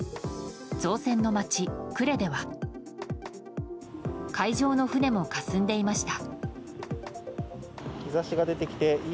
造船の街・呉では海上の船もかすんでいました。